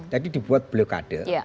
jadi dibuat blokade